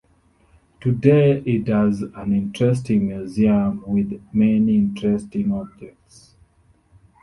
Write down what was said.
Today it has an interesting museum with many interesting objects.